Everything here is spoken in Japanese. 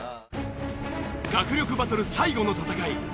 学力バトル最後の戦い。